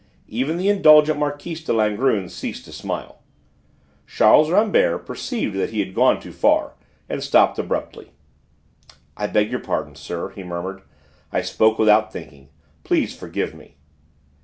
Even the indulgent Marquise de Langrune ceased to smile. Charles Rambert perceived that he had gone too far, and stopped abruptly. "I beg your pardon, sir," he murmured. "I spoke without thinking; please forgive me."